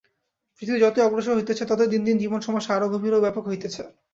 পৃথিবী যতই অগ্রসর হইতেছে, ততই দিন দিন জীবন-সমস্যা আরও গভীর ও ব্যাপক হইতেছে।